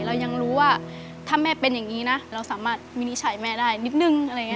เรายังรู้ว่าถ้าแม่เป็นอย่างนี้นะเราสามารถวินิจฉัยแม่ได้นิดนึงอะไรอย่างนี้